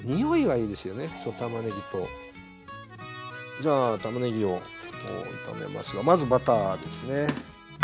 じゃあたまねぎを炒めますがまずバターですね。